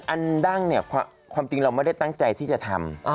อันดั้งความจริงเราไม่ได้ตั้งใจที่จะทำ